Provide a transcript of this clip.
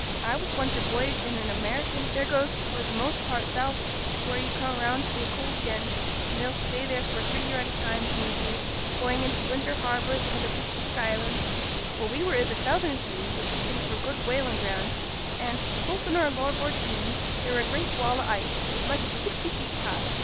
I was once a voyage i' an American. They goes for th' most part south, to where you come round to t' cold again; and they'll stay there for three year at a time, if need be, going into winter harbour i' some o' th' Pacific Islands. Well, we were i' th' southern seas, a seeking for good whaling ground; and, close on our larboard beam, there were a great wall o' ice, as much as sixty feet high.